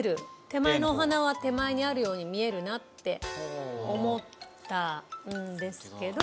手前のお花は手前にあるように見えるなって思ったんですけど。